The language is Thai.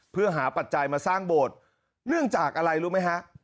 เพื่อหาปัจจัยมาสร้างโบสถ์เนื่องจากอะไรรู้ไหมฮะ